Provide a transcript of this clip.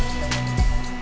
bagaimana menurut anda